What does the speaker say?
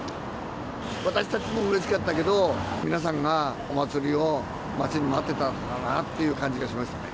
私たちもうれしかったけど、皆さんがお祭りを待ちに待ってたんだなという感じがしましたね。